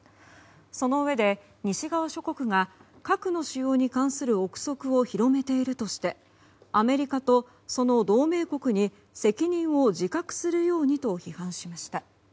そのうえで西側諸国が核の使用に関する憶測を広めているとしてアメリカとその同盟国に責任を自覚するようにと批判しました。